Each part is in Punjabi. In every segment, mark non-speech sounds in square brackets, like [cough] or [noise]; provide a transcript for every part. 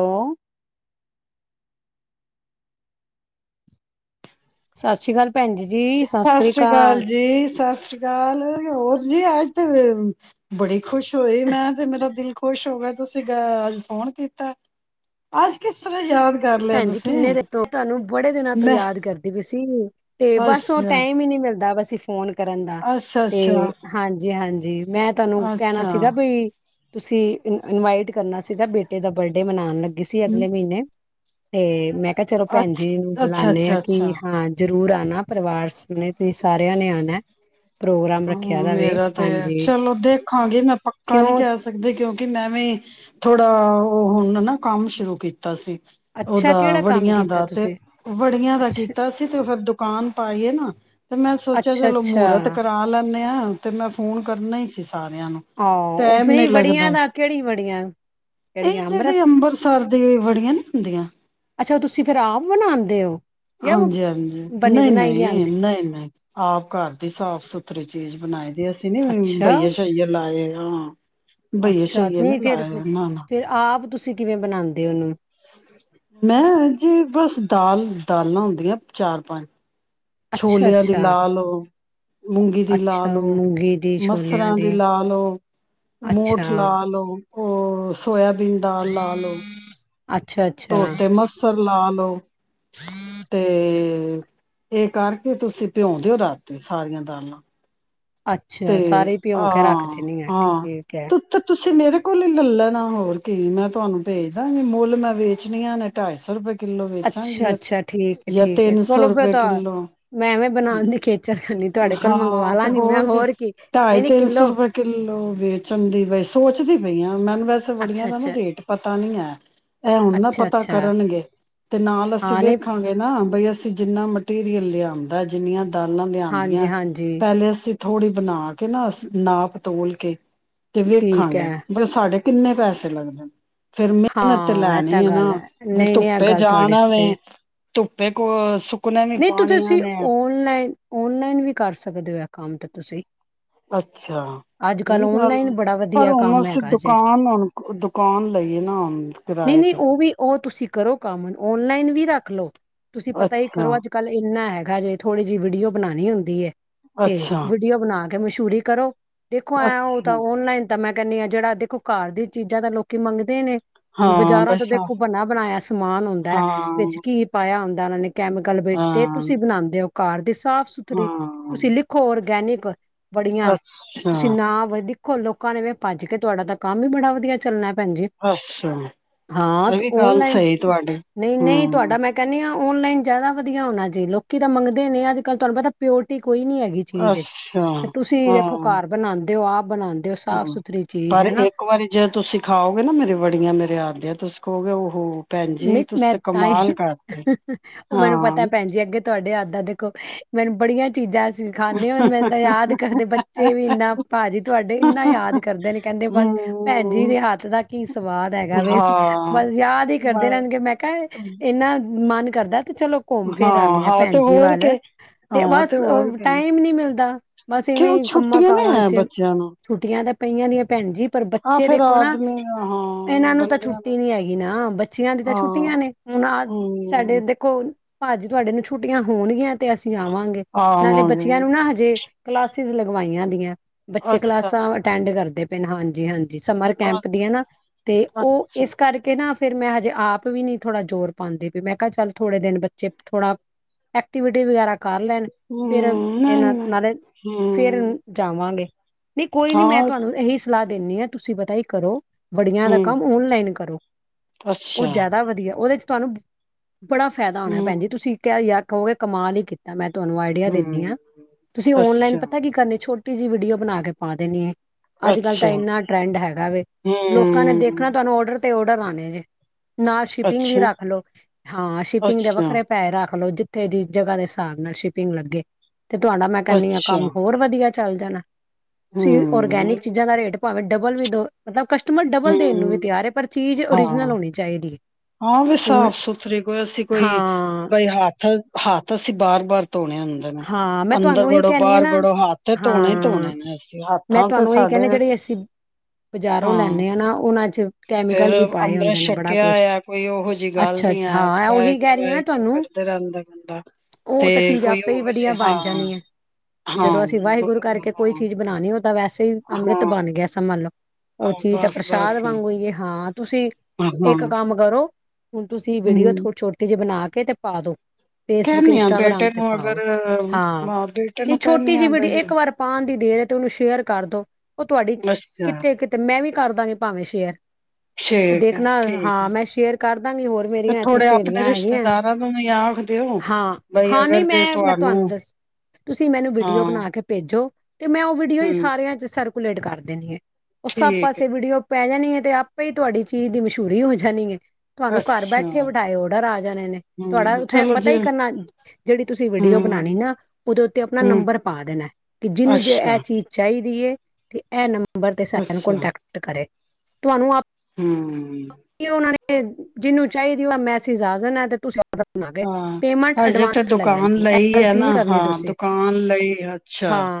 ਹੈਲੋ ਸਾਸ਼ੀ ਅਕਾਲ। ਭੈਣ ਜੀ ਜੀ ਸਤਿ ਸ੍ਰੀ ਸਾਸ੍ਰੀ ਕਾਲ ਅਕਾਲ ਜੀ ਸਾਸ੍ਰੀ ਕਾਲ, ਹੋਰ? ਜੀ ਅੱਜ ਤੇ [unintelligible] ਬੜੇ। ਖੁਸ਼ ਹੋਏ, ਮੈਂ ਤੇ ਮੇਰਾ ਦਿਲ। ਖੁਸ਼ ਹੋ ਗੇ ਤੁਸੀਂ ਗਜ ਫੋਨ ਕੀਤਾ। ਅੱਜ ਕਿਸ ਤਰ੍ਹਾਂ ਯਾਦ ਕਰ ਲਿਆ ਭੈਣਜੀ ਤੁਸੀਂ ਕਿੰਨੇ ਦਿਨ ਤੋਂ, ਤੁਹਾਨੂੰ ਬੜੇ ਦਿਨਾਂ ਤੋਂ ਮੈਂ ਯਾਦ ਕਰਦੀ ਪਈ ਸੀ ਤੇ ਬਸ ਓਹ ਅੱਛਾ ਟਾਈਮ ਹੀ ਨਹੀਂ ਮਿਲ [unintelligible] ਅਸੀਂ ਫੋਨ। ਕਰਨ ਦਾ ਅੱਛਾ ਤੇ ਅੱਛਾ ਹਾਂਜੀ, ਹਾਂਜੀ। ਮੈਂ ਤੁਹਾਨੂੰ ਕਹਿਣਾ ਅੱਛਾ ਸੀਗਾ ਵੀ। ਤੁਸੀਂ ਇ ਇਨਵਾਈਟ ਕਰਨਾ ਸੀਗਾ, ਬੇਟੇ ਦਾ ਬਰਡੇ ਮਨਾਣ ਲੱਗੀ ਸੀ ਹਮ ਅਗਲੇ ਮਹੀਨੇ। ਤੇ ਮੈਂ ਚਲੋ ਭੈਣ ਅੱਛ ਜੀ ਇਹ ਨੂੰੂੰ ਅੱਛਾ ਬੁਲਾਉਂਦੇ ਹਾਂ ਅੱਛਾ ਕਿ ਅੱਛਾ ਹਾਂ ਜੋਂ। ਜ਼ਰੂਰ ਆਉਣਾ ਪਰਿਵਾਰ ਸਨੇ ਤੁਸੀਂ ਸਾਰਿਆਂ ਨੇ ਆਉਣਾ। ਹਾਂ ਮੇਰਾ ਤੇ ਚਲੋ ਦੇਖਾਂਗੇ। ਮੈਂ ਪੱਕਾ ਨਹੀਂ ਕਿਉਂ ਕਹਿ ਸੱਖਦੀ ਕਿਉਂ? ਕਿ, ਮੈਂ ਵੀ ਥੋੜਾ ਉਹ ਹੁਣ ਨਾ ਕੰਮ ਸ਼ੁਰੂ ਕੀਤਾ ਸੀ। ਅੱਛਾ ਉਹਦਾ ਕਿਹੜਾ ਕੰਮ ਵੜੀਆਂ ਕੀਤਾ ਦਾ ਤੇ- ਤੁਸੀਂ ਵੜੀਆਂ ਦਾ ਅੱਛਾ ਕੀਤਾ ਸੀ, ਤੇ ਫਿਰ ਦੁਕਾਨ। ਪਾਈਏ ਨਾ। ਤੇ, ਮੈਂ ਸੋਚਿਆ ਅੱਛਾ ਚਲੋ ਅੱਛਾ ਮੂਹਰਤ। ਲਾਨੇ ਹਾਂ ਤੇ ਮੈਂ ਨਾਲ ਫੋਨ ਕਰਨਾ ਹੀ ਸੀ। ਸਾਰਿਆਂ ਨੂੰ ਟਾਈਮ ਨੀ ਹਾਂ ਬੜੀਆਂ ਲੱਗਦਾ ਦਾ ਕਿਹੜੀ ਵੜੀਆਂ ਇਹ ਜਿਹੜੀਆਂ ਜਿਹੜੀ ਅੰਮ੍ਰਿਤਸਰ ਅੰਬਰਸਰ ਦੀ ਵੜੀਆਂ ਨੀ ਹੁੰਦੀਆਂ ਅੱਛਾ ਤੁਸੀਂ ਫਿਰ ਆਪ ਬਣਾਦੇ ਹੋ। ਜਾਂ ਉਹ ਹਾਂਜੀ-ਹਾਂਜੀ ਬਣੀ ਨਹੀਂ ਬਣਾਈ ਨਹੀਂ ਲਿਆਂਦੇ -ਨਹੀਂ ਨਹੀਂ ਆਪ ਘਰ ਦੀ ਸਾਫ਼ ਸੁਥਰੀ ਚੀਜ਼ ਬਣਾਈ ਦੀ ਅਸੀਂ ਨਹੀਂ ਅੱਛਾ ਬਹੀਆ, ਸ਼ਹੀਆ। [unintelligible] ਅੱਛਾ, ਤੁਸੀਂ ਨਾ ਫਿਰ ਆਪ ਤੁਸੀਂ ਕਿਵੇਂ ਬਣਾਦੇ ਹੋ ਉਹਨੂੰ। ਮੈਂ, ਜੀ ਬਸ ਦਾਲ- ਦਾਲਾਂ ਹੁੰਦੀਆਂ ਚਾਰ ਪੰਜ। ਅੱਛਾ ਛੋਲਿਆਂ ਦੀ ਅੱਛਾ ਲਾ ਲਓ। ਮੂੰਗੀ ਦੀ ਲਾ ਅੱਛਾ ਲਓ, ਮੂੰਗੀ ਦੀ ਛੋਲਿਆਂ ਮਸਰਾਂ ਦੀ ਲਾ ਲਓ, ਅੱਛਾ ਮੋਠ ਲਾ ਲਓ। [unintelligible] [unintelligible] ਸੋਇਆਬੀਨ ਦਾਲ ਲਾ ਲਓ। ਅੱਛਾ ਅੱਛਾ ਧੋਤੇ ਮਸਰ ਲਾ ਲਓ, ਤੇ। ਇਹ ਕਰਕੇ, ਤੁਸੀਂ ਭਿਉਂਦੇਓ ਰਾਤੀ ਸਾਰੀਆਂ ਦਾਲਾਂ। ਅੱਛਾ, ਤੇ ਸਾਰੇ ਭਿਉਂ ਕੇ ਰੱਖ ਦੇਨੀ ਆ ਠੀਕ ਹੈ। ਅੱਛ ਮੇਰੇ ਕੋਲ ਹੀ ਲਲ ਲੈਣਾ ਹੋਰ ਕੀ ਮੈਂ ਤੁਹਾਨੂੰ ਭੇਜਦਾ ਗੀ ਮੁੱਲ ਮੈਂ ਵੇਚਣੀਆਂ ਨੇ ਢਾਈ ਸੌ ਰੁਪਏ ਕਿੱਲੋ ਵੇਚਾਂਗੀ ਜਾਂ ਅੱਛਾ-ਅੱਛਾ, ਠੀਕ ਜਾਂ ਹੈ-ਠੀਕ ਹੈ ਤਿੰਨ ਸੌ ਚਲੋ ਫਿਰ ਰੁਪਏ ਤਾਂ, ਕਿੱਲੋ ਮੈਂ ਐਵੇਂ ਬਨਾਣ ਦੀ ਖੇਚਲ਼ ਹਾਂ ਤੇ ਹੋਰ ਕੇ, ਕੀ ਨਹੀਂ ਨਹੀਂ ਢਾਈ-ਤਿੰਨ ਸੌ ਕਿਲੋ ਰੁਪਏ ਕਿੱਲੋ ਵੇਚਣ ਦੀ ਬਸ ਸੋਚਦੀ ਪਈ ਆ ਮੈਨੂੰ ਵੈਸੇ ਬੜੀਆਂ ਅੱਛਾ ਦਾ ਨਾ ਅੱਛਾ ਰੇਟ ਪਤਾ ਨੀ ਐ, ਇਹ ਹੁਣ ਨਾ ਪਤਾ ਅੱਛਾ-ਅੱਛਾ, ਕਰਨਗੇ। ਤੇ ਨਾਲ ਅਸੀਂ ਹਾਂ ਨਹੀਂ ਵੇਖਾਗੇ ਨਾ। ਬਈ ਅਸੀਂ ਜਿੰਨਾ ਮਟੀਰੀਅਲ ਲਿਆਦਾਂ ਜਿੰਨੀਆਂ ਦਾਲਾਂ ਲਿਆਂਦ ਜੀ ਹਾਂਜੀ। ਥੋੜ੍ਹੀ ਬਣਾ ਕੇ ਨਾ ਸ ਨਾਪ-ਤੋਲ ਕੇ। ਤੇ ਠੀਕ ਵੇਖਾਗੇ, ਹੈ। ਬੀ ਸਾਡੇ ਕਿੰਨੇ ਪੈਸੇ ਲੱਗਦੇ ਨੇ? ਫੇਰ ਮਿਹਨਤ ਤੇ ਹਾਂ, ਇਹ ਲੈਣੀ ਤਾਂ ਏ ਗੱਲ ਨਾ ਹੈ, ਜੇ ਨਹੀਂ-ਨਹੀਂ ਇਹ ਧੁੱਪੇ ਗੱਲ ਤੁਹਾਡੀ ਜਾਣਾ ਸਹੀ ਵੇ। ਧੁੱਪੇ, ਕੋਲੋ ਸੁਕ ਨਹੀਂ ਤੂੰ ਤੁਸੀਂ ਔਨਲਾਈਨ ਔਨਲਾਈਨ ਵੀ। ਕਰ ਸਕਦੇ ਹੋ ਇਹ ਕੰਮ ਤੇ ਤੁਸੀਂ। ਅੱਛਾ ਅੱਜ ਇਹ ਕੱਲ੍ਹ ਵੀ ਗੱਲ ਔਨਲਾਈਨ ਏ। ਬੜਾ ਪਰ ਵਧੀਆ ਹੁਣ ਕੰਮ ਅਸੀਂ ਹੈਗਾ ਜੇ ਦੁਕਾਨ ਹੁਣ ਦੁਕਾਨ ਲਈਏ ਨਾ ਹੁਣ ਨਹੀਂ ਕਿਰਾਏ ਨਹੀਂ ਤੇ ਉਹ ਵੀ ਉਹ ਤੁਸੀਂ ਕਰੋ ਕੰਮ ਔਨਲਾਈਨ ਵੀ ਰੱਖ ਲਓ ਤੁਸੀਂ ਪਤਾ ਹੀ। ਅੱਛਾ ਕਰੋ ਅੱਜ ਕੱਲ੍ਹ ਇੰਨਾ ਐ। ਆਾ ਹੈ ਥੋੜੀ ਜਿਹੀ ਵੀਡੀਓ ਬਣਾਣੀ ਹੁੰਦੀ ਹੈ। ਤੇ ਅੱਛਾ ਵੀਡੀਓ ਬਣਾ। ਕੇ ਮਸ਼ਹੂਰੀ ਕਰੋ। ਦੇਖੋ ਐਂ ਉਹ ਤਾਂ ਅੱਛਾ ਔਨਲਾਈਨ ਤਾਂ ਮੈਂ। ਕਦੇ ਆ ਜਿਹੜਾ ਦੇਖੋ ਘਰ ਦੀ ਚੀਜ਼ਾਂ ਤਾਂ ਲੋਕੀ ਮੰਗਦੇ ਨੇ। ਹੁਣ ਹਾਂ ਬਾਜ਼ਾਰਾਂ ਤੋਂ ਬਸ ਹਾਂ ਦੇਖੋ ਬੰਨਾ ਬਣਾਇਆ ਸਮਾਨ ਆਉਂਦਾ ਵਿੱਚ ਹਾਂ ਘੀ ਪਾਇਆ। ਦਾ ਨ ਨੇ। ਕੈਮੀਕਲ ਬੇ ਤੇ ਤੁਸੀਂ ਬਣਾਉਂਦੇ ਹੋ। ਕਾਰ ਦੇ। ਸਾਫ਼ ਸੁਥਰੀ ਤੁਸੀਂ ਹਾਂ ਲਿਖੋ ਰਗੇ। ਗੇਨੇ ਕੋ। ਬੜੀਆਂ ਅੱਛਾ ਤੁਸੀਂ ਨਾ ਵ। ੋ ਲੋਕਾਂ ਨੇ ਵੀ ਭੱਜ ਕੇ ਤੁਹਾਡਾ ਤਾਂ ਕੰਮ ਈ ਬੜਾ ਵਧੀਆ ਚੱਲਣਾ। ਭੈਜੀ ਅੱਛਾ ਹਾਂ ਇਹ ਤੁ ਵੀ ਗੱਲ ਓਨਲਾਈਨ ਸਹੀ ਤੁਹਾਡੀ ਨਹੀਂ ਨਹੀਂ ਹਮ ਤੁਹਾਡਾ ਮੈਂ ਕਹਦੀ ਹ। ਓਨਲਾਈਨ। ਜਿਆਦਾ ਵਧੀਆ ਹੋਣਾ ਜੀ ਲੋਕੀ ਤਾਂ ਮੰਗਦੇ ਨੇ ਅੱਜ ਕੱਲ੍ਹ ਤੁਹਾਨੂੰ ਪਤਾ ਪਿਓਰਟੀ। ਕੋਈ ਨੀ ਹੈਗੀ ਚੀਜ਼ ਇਚ ਅੱਛਾ ਤੇ ਤੁਸੀਂ ਹਾਂ ਦੇਖੋ ਘਰ ਬਣਾਉਂਦੇ ਹੋ ਆਪ। ਬਣਾਉਂਦੇ ਹੋ ਸਾਫ਼ ਹਮ ਸੁਥਰੀ ਚੀਜ਼ ਪਰ ਹੈ ਨਾ ਇੱਕ ਵਾਰੀ ਜੇ ਤੁਸੀਂਿ ਖਾਓਗੇ ਨਾ ਮੇਰੇ ਵੜੀਆਂ ਮੇਰੇ ਆਦੇਆਂ ਤੁਸੀਂ। ਹੋ ਗਿਆ ਉਹ ਹੋ। ਨਹੀਂ ਮੈਂ ਤਾਂ ਹੀ ਉਹ ਮੈਨੂੰ ਹਾਂ ਪਤਾ ਭੈਣ ਜੀ ਅੱਗੇ ਤੁਹਾਡੇ ਆੱਦਾਂ ਦੇਖੋ ਮੈਨੂੰ। ਬੜੀਆਂ। ਚੀਜ਼ਾਂ ਸਿਖਾਦੇ ਆ ਮੈਨੂੰ ਤਾਂ ਯਾਦ ਕਰਦੇ ਬੱਚੇ ਵੀ ਇੰਨਾ ਭਾਜੀ ਤੁਹਾਡੇ ਇੰਨਾ ਯਾਦ ਕਰਦੇ ਨੇ ਕਹਿੰਦੇ ਬਸ ਭੈਣ ਜੀ ਹੂੰ, ਦੇ ਹੱਥ ਦਾ ਕੀ ਸਵਾਦ ਹੈਗਾ ਵੀ ਹਾਂ, ਬਸ ਯਾਦ ਹੀ। ਬ ਕਰਦੇ ਰਹਿਣਗੇ ਮੈਂ ਕਿਹਾ ਇਹਨਾ। ਮਨ ਕਰਦਾ। ਤੇ ਚਲੋ ਘੁੰਮ ਫਿਰ ਹਾਂ, ਆਂਦੇ ਆ ਹਾਂ ਤੇ ਭੈਣ ਜੀ ਹੋਰ ਵੱਲ ਕੇ ਤੇ ਹਾਂ ਬਸ ਹੋਰ ਕੇ ਟਾਈਮ ਨੀ ਮਿਲਦਾ ਬਸ ਕਿਉਂ ਇਵੇਂ ਕੰਮਾਂ ਛੁੱਟੀਆਂ ਨੇ ਕਾਰਾਂ ਹੈ ਚ ਬੱਚਿਆਂ ਨੂੰ ਛੁੱਟੀਆਂ ਦਾ। ਪਈਆਂ ਦੀਆਂ ਭੈਣ ਜੀ। ਪਰ ਆ ਬੱਚੇ ਫੇਰ ਦੇਖੋ ਨਾ ਆਦਮੀ ਹਾਂ ਇਹਨਾਂ ਨੂੰ ਤਾਂ ਬੰਦਿਆਂ ਦਾ ਛੁੱਟੀ ਨੀ ਹੈਗੀ ਨਾ ਬੱਚੇ ਦੀਆਂ ਦੀ ਤਾਂ ਛੁੱਟੀਆਂ ਹਾਂ ਨੇ ਹੁਣ ਆਹ ਸਾਡੇ ਹੂੰ, ਦੇਖੋ। ਭਾਜੀ ਤੁਹਾਡੇ ਨੂੰ ਛੁੱਟੀਆਂ ਹੋਣਗੀਆਂ ਤੇ ਅਸੀਂ ਆਵਾਂਗੇ ਨਾਲੇ ਆਵਾਂਗੇ ਬੱਚਿਆਂ ਨੂੰ ਨਾ ਹਜੇ ਕਲਾਸਿਸ ਲਗਵਾਈਆਂ ਦੀਆਂ। ਬੱਚੇ ਅੱਛਾ ਕਲਾਸਾਂ ਅੱਛਾ ਅਟੈਂਡ ਕਰਦੇ ਹਾਂਜੀ ਹਾਂਜੀ। ਸਮਰ ਅੱ ਕੈਂਪ ਦੀਆਂ ਨਾ ਤੇ ਉਹ ਅੱਛਾ ਇਸ ਕਰਕੇ ਨਾ ਫਿਰ ਮੈਂ ਜੈ ਆਪ ਵੀ ਨਹੀਂ ਥੋੜਾ ਜੋੋਰ ਪਾਦੀ ਪੀ ਮੈਂ ਕਿਹਾ ਚੱਲ ਥੋੜੇ ਦਿਨ ਬੱਚੇ ਥੋੜਾ ਐਕਟੀਵਿਟੀ ਵਗੈਰਾ ਕਰ ਲੈਣ ਫਿਰ ਹੂੰ, ਨਹੀਂ ਇਹਨਾਂ ਨਹੀਂ ਨਾਲੇ ਫਿਰ ਹੂੰ, ਜਾਵਾਂਗੇ। ਨਹੀਂ ਕੋਈ ਨੀ ਮੈਂ ਹਾਂ ਤੁਹਾਨੂੰ ਇਹੀ ਸਲਾਹ ਦਿੰਦੇ ਹਾਂ ਤੁਸੀਂ ਪਤਾ ਕੀ ਕਰੋ ਵੜੀਆਂ ਦਾ ਹੂੰ, ਕੰਮ ਓਨਲਾਈਨ ਕਰੋ। ਉਹ ਅੱਛਾ ਜ਼ਿਆਦਾ ਵਧੀਆ ਉਹਦੇ ਚ ਤੁਹਾਨੂੰ ਬੜਾ ਫਾਇਦਾ ਹੋਣਾ ਭੈਣ ਹੂੰ, ਜੀ ਤੁਸੀਂ ਕਯਾ ਯਾਦ ਕਹੋਗੇ ਕਮਾਲ ਹੀ ਕੀਤੀ। ਮੈਂ ਤੁਹਾਨੂੰ ਆਈਡੀਆ ਦਿੰਦੀ ਹੂੰ, ਹਾਂ ਤੁਸੀਂ ਓਨਲਾਈਨ ਅੱਛਾ ਪਤਾ ਕੀ ਕਰਨੀ ਛੋਟੀ ਜੀ ਵੀਡੀਓ ਬਣਾ ਕੇ ਪਾ ਦੇਣੀ ਐ। ਅੱਜ ਕੱਲ ਤਾਂ ਅੱਛਾ ਇੰਨਾ ਟਰੈਂਡ ਹੈਗਾ ਵੇ ਲੋਕਾਂ ਨੇ ਹੂੰ, ਦੇਖਣਾ ਤੁਹਾਨੂੰ ਔਡਰ ਤੇ ਔਡਰ ਆਣੇ ਜੇ। ਨਾਲ ਸ਼ਿਪਿੰਗ ਵੀ ਅੱਛਾ, ਰੱਖ ਲਓ ਹਾਂ ਸ਼ਿਪਿੰਗ ਦੇ ਅੱਛਾ, ਵੱਖਰੇ ਪੈਹੇ ਰੱਖ ਲੋ ਜਿੱਥੇ ਦੀ ਜਗਾ ਦੇ ਹਿਸਾਬ ਨਾਲ ਸ਼ਿਪਿੰਗ ਲੱਗੇ। ਤੇ ਤੁਹਾਡਾ ਮੈਂ ਕਹਿੰਦੀ ਹਾਂ ਅੱਛਾ, ਕੰਮ ਹੋਰ ਵਧੀਆ। ਚੱਲ ਜਾਣਾ। ਤੁਸੀ ਹੂੰ, ਔਰਗੈਨਿਕ ਚੀਜ਼ਾਂ ਦਾ ਰੇਟ ਡਬਲ ਵੀ ਦੋ ਮਤਲਬ ਕਸ਼ਟਮਰ ਕਸ਼ਟਮਰ ਡਬਲ ਦੇਣ ਨੂੰ ਵੀ ਹੂੰ, ਤਿਆਰ ਹੈ ਪਰ ਚੀਜ਼ ਓਰੀਜਨਲ ਹਾਂ, ਹੋਣੀ ਚਾਹੀਦੀ। ਹਾਂ ਵੀ ਹੁਣ ਸਾਫ਼ ਸੁਥਰੀ ਕੋਈ ਅਸੀਂ ਕੋਈ ਹਾਂ ਬਈ ਹੱਥ ਹੱਥ ਅਸੀਂ ਬਾਰ ਬਾਰ ਧੋਣੇ ਹੁੰਦੇ ਨੇ ਹਾਂ ਮੈਂ ਅੰਦਰ ਤੁਹਾਨੂੰ ਉਹੀ ਵੜੋ ਕਹਿੰਦੀ ਹਾਂ ਬਾਹਰ ਨਾ ਵੜੋ ਹੱਥ ਤੇ ਧੋਣੇ ਹੀ ਹਾਂ ਧੋਣੇ ਨੇ ਅਸੀਂ ਮੈਂ ਹੱਥਾਂ ਤੇ ਤੁਹਾਨੂੰ ਇਹੀ ਸਾਡੇ ਕਹਿੰਦੇ ਜਿਹੜੇ ਅਸੀਂ ਬਾਜ਼ਾਰੋਂ ਹਾਂ। ਲੈਂਦੇ ਨਾ ਉਹਨਾਂ 'ਚ ਫਿਰ ਕੈਮੀਕਲ ਵੀ ਪਾਏ ਅੰਮ੍ਰਿਤ ਹੁੰਦੇ ਨੇ ਸ਼ਕ ਬੜਾ ਕਿਆ ਕੁਛ ਯਾਂ ਕੋਈ ਉਹੋ ਜਿਹੀ ਗੱਲ ਅੱਛਾ ਨੀ ਅੱਛਾ ਹੈ ਹਾਂ ਉਹੀ ਕਹਿ ਵਾਹਿਗੁਰੂ ਰਹੀ ਹਾਂ ਨਾ ਵਾਹਿਗੁਰੂ ਤੁਹਾਨੂੰ ਕਰਦੇ ਰਹਿੰਦਾ ਬੰਦਾ ਉਹ ਤਾਂ ਤੇ ਚੀਜ਼ ਕੋਈ ਆਪੇ ਹੀ ਉਹੋ ਵਧੀਆ ਜਿ ਹਾਂ ਬਣ ਜਾਣੀ ਹੈ ਹਾਂ ਜਦੋਂ ਅਸੀਂ ਵਾਹਿਗੁਰੂ ਗੂਰੁ ਕਰਕੇ ਕੋਈ ਹਾਂ। ਚੀਜ਼ ਬਣਾਉਣੀ ਤਾਂ ਵੈਸੇ ਵੀ ਅੰਮ੍ਰਿਤ ਹਾਂ, ਬਣ ਗਿਆ ਸਮਝ ਲਓ। ਓ ਚੀਜ਼ ਤਾ ਪ੍ਰਸ਼ਾਦ ਬਸ-ਬਸ। ਵਾਂਗੂ ਈ ਐ ਹਾਂ। ਤੁਸੀਂ ਹਾਂ ਇੱਕ ਕੰਮ ਕਰੋ। ਹੁਣ ਤੁਸੀਂ ਵੀਡੀਓ ਹੂੰ ਥੋ ਛੋਟੀ ਜੀ ਬਣਾ ਨੀ ਤੇ ਪਾ ਦੋ। ਫੇਸਬੁੱਕ, ਕਹਿੰਦੀ ਆ ਇੰਸਟਾਗ੍ਰਾਮ ਬੇਟੇ ਤੇ ਨੂੰ ਪਾਓ ਅਗਰ ਹਾਂ ਮਾਂ ਬੇਟੇ ਨਈਂ ਨੂੰ ਛੋਟੀ ਕਹਿੰਦੀ ਜੀ ਆ ਵੀਡੀਓ ਬਈ ਇੱਕ ਵਾਰ ਪਾਣ ਦੀ ਦੇਰ ਐ ਤੇ ਉਹਨੂੰ ਸ਼ੇਅਰ ਕਰ ਦੋ। ਉਹ ਤੁਹਾਡੀ, ਅੱਛਾ ਕਿੱਥੇ, ਕਿਥੇ ਮੈਂ ਵੀ ਕਰਦਾਗੇ ਭਾਵੇਂ ਸ਼ੇਅਰ। ਤੇ ਠੀਕ ਦੇਖਣਾ ਐ। ਹਾਂ ਮੈਂ ਸ਼ੇਅਰ ਕਰ ਦਾਂਗੀ ਹੋਰ ਮੇਰੀਆਂ ਏਥੇ ਥੋੜੇ ਆਪਣੇ ਸਹੇਲੀਆਂ ਹੈਗੀਆਂ। ਰਿਸ਼ਤੇਦਾਰਾਂ ਨੂੰ ਵੀ ਆਖ ਦਿਓ ਹਾਂ, ਬਈ ਹਾਂ ਨਹੀਂ ਅਗਰ ਜੇ ਮੈਂ ਤੁਹਾਨੂੰ ਦੱਸ, ਤੁਸੀਂ ਮੈਨੂੰ ਵੀਡੀਓ ਹਾਂ ਬਣਾ ਕੇ ਭੇਜ ਜੋ ਤੇ ਮੈਂ ਓ ਵੀਡੀਓ ਈ ਹੂੰ ਸਾਰਿਆਂ ਚ ਸਰ ਕੁੁਲੇਡ ਕਰ ਦੇਨੀ ਐ। ਓ ਸਭ ਠੀਕ ਹੈ ਪਾਸੇ ਵੀਡੀਓ ਪੈ ਜਾਣੀ ਐ ਤੇ ਆਪੇ ਈ ਤੁਹਾਡੀ ਚੀਜ਼ ਦੀ ਮਸ਼ੁ ਹੂਰੀ ਹੋ ਜਾਨੀ ਏ। ਤੁਹਾਨੂੰ ਘਰ ਅੱਛਾ ਬੈਠੇ-ਬਠਾਏ ਓਡਰ ਆ ਜਾਣੇ ਨੇ, ਤੁਹਾਡਾ ਹੂੰ ਉੱਥੇ ਚਲੋ ਪਤਾ ਜੇ ਈ ਕਰਨਾ ਜਿਹੜੀ ਤੁਸੀਂ ਹੂੰ ਵੀਡੀਓ ਬਣਾਣੀ ਨਾ ਉਹਦੇ ਉੱਤੇ ਆਪਣਾ ਹੂੰ ਨੰਬਰ ਪਾ ਦੇਨਾ ਐ ਕਿ ਜਿਹਨੂੰ ਜੇ ਅੱਛਾ ਇਹ ਚੀਜ਼ ਚਾਹੀ ਦੀ ਏ ਤੇ ਐ ਨੰਬ ਨੰਬਰ ਤੇ ਸਾ ਨੂੰ ਅੱਛਾ ਕੋਂਟੈਕਟ ਕਰੇ। ਤੁਹਾਨੂੰ ਆਪ। ਹੂੰ ਉਹਨਾਂ ਨੇ ਜਿੰਨੁ। ਚਾਹੀਦੀ ਆਂ ਮੈਸੀਜ਼ ਆ ਜਾਣਾ ਤੇ ਤੁਸੀਂ। ਔਡਰ ਬਣਾ ਕੇ ਹਾਂ, ਪੇਮੈਂਟ ਹਜੇ ਤੇ ਐਡਵਾਂਸ ਲੈ ਦੁਕਾਨ ਲੈਣੀ ਇਹ ਲਈ ਏ ਗਲਤੀ ਨਾ, ਨਹੀਂ ਕਰਨੀ ਹਾਂ ਤੁਸੀਂ ਦੁਕਾਨ ਲਈ ਹਾਂ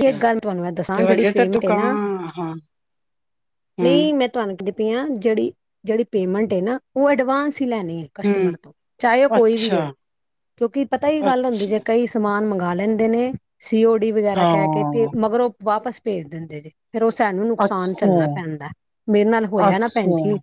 ਦੀ ਇੱਕ ਗੱਲ ਤੁਹਾਨੂੰ ਮੈਂ ਦੱਸਾਂ ਤੇ ਜਿਹੜੀ ਹਜੇ ਤੇ ਪੇਮੈਂਟ ਹੈ ਨਾ ਦੁਕਾਨ ਹ ਮ। ਦਿਪੀਆਂ ਜਿਹੜੀ-ਜਿਹੜੀ ਪੇਮੈਂਟ ਹੇ ਨਾ ਉਹ ਐਡਵਾਂਸ ਅੱਸੀ ਲੈਣੀ ਹੈ ਹੂੰ, ਕਸਟਮਰ ਤੋਂ ਚਾਹੇ ਉਹ ਕੋਈ ਵੀ ਅੱਛਾ, ਹੋਏ, ਕਿਉਂਕਿ ਪਤਾ ਹੀ ਗੱਲ ਹੁੰਦੀ ਅੱਛਾ, ਜੇ ਕਈ ਸਮਾਨ ਮੰਗ ਖਾ ਲੈਂਦੇ ਨੇ। ਸੀ ਓ ਡੀ ਵਗੈਰਾ ਕਹਿ ਕੇ ਤੇ ਹਾਂ, ਮਗਰੋ ਵਾਪਸ ਭੇਜ ਦਿੰਦੇ ਜੇ। ਫਿਰ ਉਹ ਸਾਨੂੰ ਨੁਕਸਾਨ ਅੱਛਾ, ਛੱਲਣਾ ਪੈਂਦਾ। ਮੇਰੇ ਨਾਲ ਹੋਇਆ ਨਾ ਭੈਣ ਅੱਛਾ, ਜੀ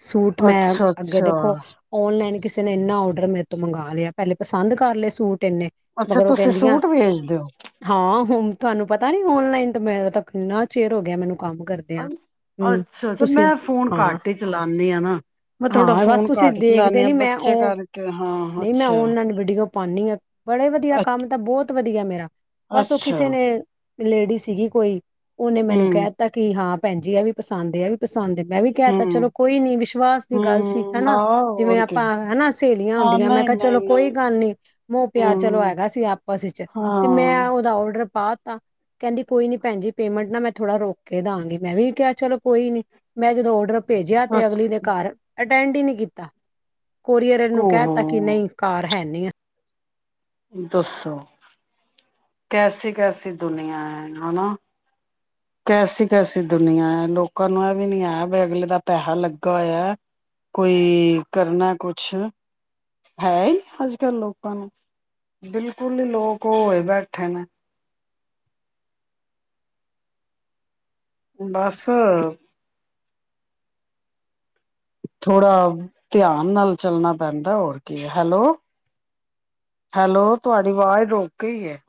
ਸੂਟ ਮੈਂ ਅੱਗੇ ਅੱਛਾ-ਅੱਛਾ, ਦੇਖੋ ਅੱਛਾ ਆਨਲਾਈਨ ਕਿਸੇ ਨੇ ਇੰਨਾ ਔਡਰ ਮੇਰੇ ਤੋਂ ਮੰਗਵਾ ਲਿਆ ਪਹਿਲੇ ਪਸੰਦ ਕਰ ਲਏ ਸੂਟ ਤਿੰਨੇ ਅੱਛਾ ਮਗਰੋਂ ਤੁਸੀਂ ਕਹਿੰਦੀਆਂ ਸੂਟ ਵੇਚਦੇ ਹੋ? ਹਾਂ ਹੁਣ ਤੁਹਾਨੂੰ ਪਤਾ ਨੀ ਔਨਲਾਈਨ ਤੇ ਮੈਂ ਤੱਕ ਇੰਨਾ ਚਿਰ ਹੋ ਗਿਆ ਮੈਨੂੰ। ਕੰਮ ਕਰਦਿਆਂ ਹਮ। ਅੱਛਾ ਅੱਛਾ ਮੈਂ ਫੋਨ ਘੱਟ ਹੀ ਚਲਾਨੀ ਆ ਨਾ ਮੈਂ ਥੋੜਾ ਹਾਂ ਬਸ ਫੋਨ ਤੁਸੀਂ ਘੱਟ ਚਲਾਨੀ ਦੇਖਦੇ ਆ ਨੀ ਮੈਂ ਬੱਚੇ ਉਹ ਕਰਕੇ ਹਾਂ ਨਹੀਂ ਮੈਂ ਅੱਛਾ ਔਨਲਾਈਨ ਵੀਡੀਓ ਪਾਉਂਦੀ ਹਾਂ ਬੜੇ ਵਧੀਆ ਅਛ। ਕੰਮ ਤਾਂ ਬਹੁਤ ਵਧੀਆ ਮੇਰਾ। ਬਸ ਉਹ ਕਿਸੇ ਨੇ ਲੇਡੀ ਸੀਗੀ ਕੋਈ। ਉਹਨੇ ਮੈਨੂੰ ਹੂੰ, ਕਹਿ ਤਾ ਕਿ ਹਾਂ। ਭੈਣਜੀ ਆ ਵੀ ਪਸ ਪਸੰਦ ਏ ਆ ਵੀ ਪਸੰਦ ਮੈਂ ਵੀ ਕਹਿ ਤਾ ਚਲੋ ਹੂੰ, ਕੋਈ ਨੀ ਵਿਸ਼ਵਾਸ ਦੀ ਗੱਲ ਸੀ ਹੂੰ, ਹਨਾ ਆਹ ਜਿਵੇਂ ਹੋਰ ਕੀ ਆਪਾਂ ਹਨਾ ਸਹੇਲੀਆਂ ਹਾਂ ਹੁੰਦੀਆਂ ਮੈਂ ਕਿਹਾ ਚਲੋ ਨਹੀਂ-ਨਹੀਂ-ਨਹੀਂ, ਕੋਈ ਗੱਲ ਨੀ ਮੋਹ ਪਿਆਰ ਚਲੋ ਹੂੰ, ਹੈਗਾ ਸੀ ਆਪਸ ਵਿੱਚ ਤੇ ਹਾਂ, ਮੈਂ ਉਹਦਾ ਔਡਰ ਪਾ ਤਾ ਕਹਿੰਦੀ ਕੋਈ ਨੀ ਭੈਣਜੀ ਪੇਮੈਂਟ ਨਾ ਮੈਂ ਥੋੜਾ ਰੁਕ ਕੇ ਦਾਂਗੀ ਮੈਂ ਵੀ ਕਿਹਾ ਚਲੋ ਕੋਈ ਨਹੀਂ। ਮੈਂ ਜਦੋਂ ਔਡਰ ਭੇਜਿਆ ਤੇ ਬਸ ਅਗਲੀ ਦੇ ਘਰ ਅਟੈਂਡ ਹੀ ਨਹੀਂ ਕੀਤਾ। ਕੋਰੀਅਰ ਆਲੇ ਨੂੰ ਕਹਿ ਓਹੋ ਦਿੱਤਾ ਕੀ ਨਹੀਂ ਘਰ ਹੈਨੀ ਆ। ਦੱਸੋ ਕੈਸੀ ਕੈਸੀ ਦੁਨੀਆਂ ਹੈ ਹਨਾ। ਕੈਸੀ ਕੈਸੀ ਦੁਨੀਆਂ ਹੈ ਲੋਕਾਂ ਨੂੰ ਇਹ ਵੀ ਨੀ ਆਇਆ ਬੀ ਅਗਲੇ ਦਾ ਪੈਸਾ ਲੱਗਾ ਹੋਇਆ ਕੋਈ ਕਰਨਾ ਕੁਛ ਹੈ ਹੀ ਅੱਜ ਕੱਲ ਲੋਕਾਂ ਨੂੰ ਬਿਲਕੁਲ ਹੀ ਲੋਕ ਹੋਏ ਬੈਠੇ ਨੇ। ਬੱਸ। ਥੋੜਾ ਧਿਆਨ ਨਾਲ ਚੱਲਣਾ ਪੈਂਦਾ ਹੋਰ ਕੀ ਹੈਲੋ ਹੈਲੋ ਤੁਹਾਡੀ ਆਵਾਜ਼ ਰੁਕ ਗਈ ਹੈ।